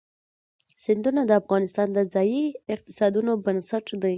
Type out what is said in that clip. سیندونه د افغانستان د ځایي اقتصادونو بنسټ دی.